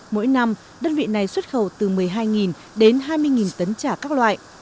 mỗi năm đơn vị này xuất khẩu từ một mươi hai đến hai mươi tấn chả các loại